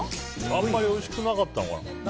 あんまりおいしくなかったのかな？